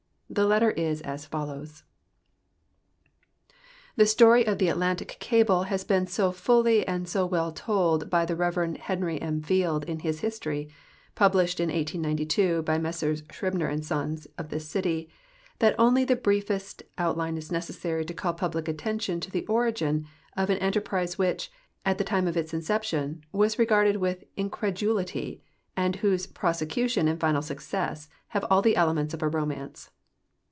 The letter is as follows :" The story of the Atlantic Calile has been so fully and so well told l)y the Rev. Henry M. Field in his history, published in 18!)'2 by Messrs Scribner & Sons of this cit}^, that only the briefest outline is necessary to call public attention to the origin of an enterprise which, at the time of its inception, was regarded with incredulity, and whose jirosecution and final success have all the elements of a romance.